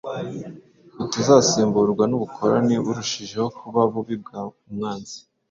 butazasimburwa n'ubukoloni burushijeho kuba bubi bwa umwanzi